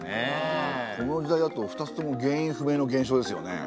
この時代だと２つとも原因不明の現象ですよね。